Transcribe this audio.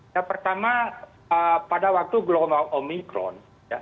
yang pertama pada waktu gelombang omikron